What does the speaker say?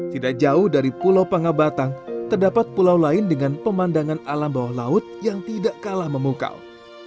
tidak jauh dari pulau pangabatan terdapat pulau lain dengan pemandangan alam bawah laut yang tidak kalah memukau